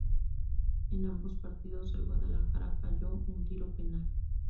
En ambos partidos el Guadalajara falló un tiro penal.